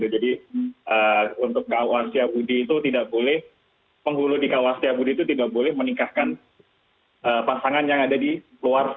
jadi untuk kua jabudi itu tidak boleh penghulu di kawas jabudi itu tidak boleh menikahkan pasangan yang ada di luar jabudi